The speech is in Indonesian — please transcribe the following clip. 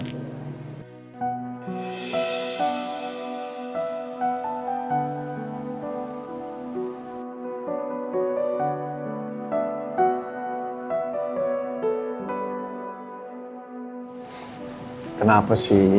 jadi aku mau berhenti